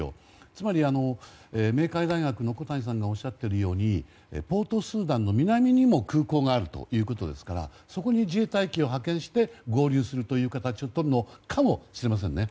つまり、明海大学の小谷さんがおっしゃっているようにポートスーダンの南にも空港があるということですからそこに自衛隊機を派遣して合流するという形をとるのかもしれませんね。